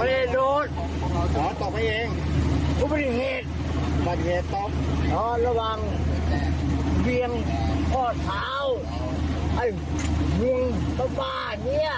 เวียงพ่อเท้าไอ้ลุงต้องบ้าเนี่ย